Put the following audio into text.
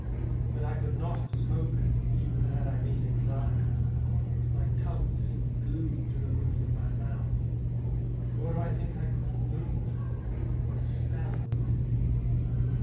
But I could not have spoken even had 1 been inclined ; my tongue seemed glued to the roof of my mouth ; nor do I think I could have moved, for a spell was on me.